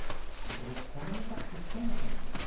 これ米ぬかってそもそもですね